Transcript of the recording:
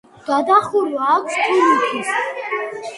გადახურვა აქვს თუნუქის.